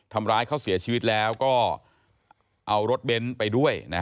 ทำร้ายเขาเสียชีวิตแล้วก็เอารถเบนท์ไปด้วยนะ